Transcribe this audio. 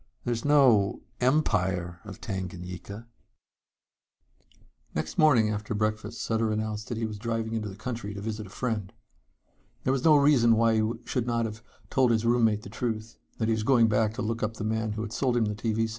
There's no Empire of Tanganyika." Next morning after breakfast Sutter announced that he was driving into the country to visit a friend. There was no reason why he should not have told his roommate the truth that he was going to look up the man who had sold him the TV set.